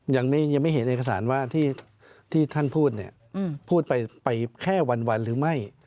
ยังไม่เห็นเอกสารว่าที่ท่านพูดเนี่ยพูดพูดไปแค่วันหรือไม่